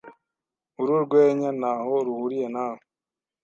Uru rwenya ntaho ruhuriye nawe.